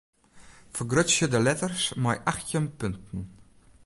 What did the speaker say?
Fergrutsje de letters mei achttjin punten.